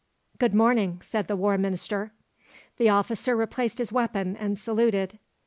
"Good morning," said the War Minister. The officer replaced his weapon and saluted.